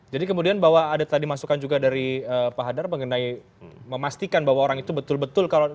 jadi kemudian bahwa ada tadi masukan juga dari pak hadar mengenai memastikan bahwa orang itu betul betul